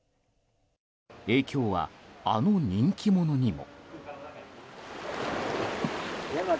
影響はあの人気者にも。